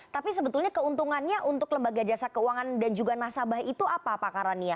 tapi sebetulnya keuntungannya untuk lembaga jasa keuangan dan juga nasabah itu apa pak karania